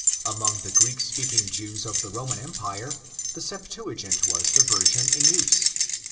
Among the Greek speaking Jews of the Roman Empire the Septuagint was the version in use.